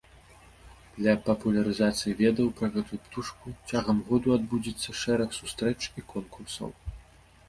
Для папулярызацыі ведаў пра гэтую птушку цягам году адбудзецца шэраг сустрэч і конкурсаў.